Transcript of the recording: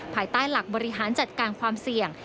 ภายใต้หลักบริหารจัดการความเสี่ยง